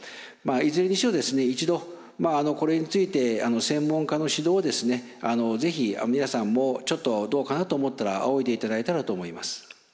いずれにしろ一度これについて専門家の指導を是非皆さんもちょっとどうかなと思ったら仰いでいただいたらと思います。